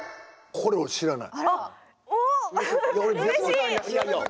これ知らない。